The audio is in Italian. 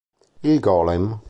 Il Golem